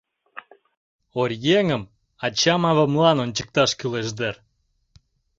Оръеҥым ачам-авамлан ончыкташ кӱлеш дыр.